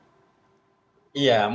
mungkin yang dipermasalahkan